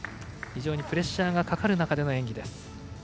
非常にプレッシャーがかかる中での演技です。